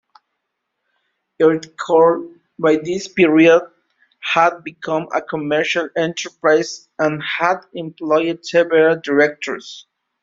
Earthcore by this period had become a commercial enterprise and had employed several directors.